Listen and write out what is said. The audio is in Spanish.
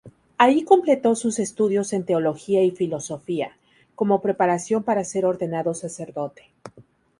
Allí completó sus estudios en teología y filosofía, como preparación para ser ordenado sacerdote.